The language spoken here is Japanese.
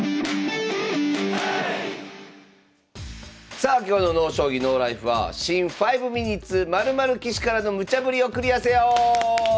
さあ今日の「ＮＯ将棋ＮＯＬＩＦＥ」は「新５ｍｉｎｕｔｅｓ○○棋士からのムチャぶりをクリアせよ」！